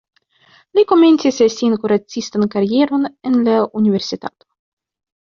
Li komencis sian kuracistan karieron en la universitato.